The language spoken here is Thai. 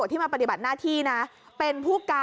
นี่มันเป็นไงนี่มันเป็นไง